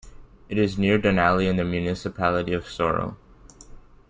It is near Dunalley in the municipality of Sorell.